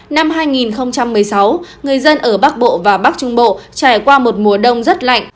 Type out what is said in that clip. năm hai nghìn một mươi sáu người dân ở bắc bộ và bắc trung bộ trải qua một mùa đông rất lạnh